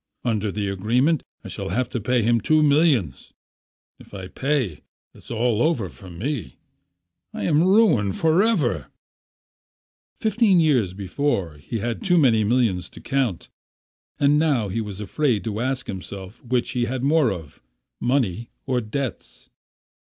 Under the agreement, I shall have to pay him two millions. If I pay, it's all over with me. I am ruined for ever ..." Fifteen years before he had too many millions to count, but now he was afraid to ask himself which he had more of, money or debts.